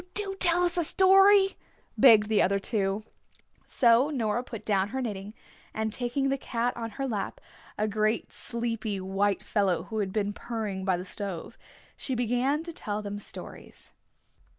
"Do tell us a story," begged the other two. So Nora put down her knitting, and taking the cat on her lap, a great sleepy white fellow who had been purring by the stove, she began to tell them stories.